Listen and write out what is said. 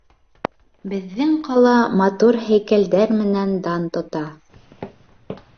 Беҙҙең ҡала матур һәйкәлдәр менән дан тота